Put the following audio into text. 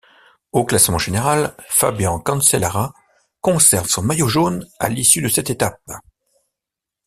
Au classement général, Fabian Cancellara conserve son maillot jaune à l'issue de cette étape.